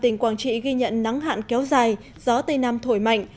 tỉnh quảng trị ghi nhận nắng hạn kéo dài gió tây nam thổi mạnh